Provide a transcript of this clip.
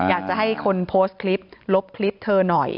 อยากจะให้คนโพสต์คลิปลบคลิปเธอหน่อย